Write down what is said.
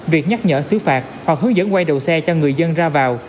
việc nhắc nhở xứ phạt hoặc hướng dẫn quay đầu xe cho người dân ra vào